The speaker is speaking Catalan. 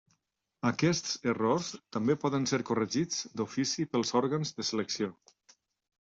Aquests errors també poden ser corregits d'ofici pels òrgans de selecció.